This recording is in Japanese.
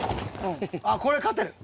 あっこれ勝てる。